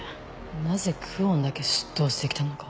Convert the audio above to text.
なぜ久遠だけ出頭して来たのか。